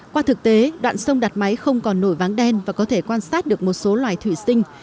qua thực tế đoạn sông đặt máy không còn nổi váng đen và có thể quan sát được một số loài thủy sinh